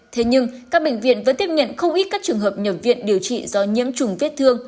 thế nhưng các bệnh viện vẫn tiếp nhận không ít các trường hợp nhập viện điều trị do nhiễm trùng vết thương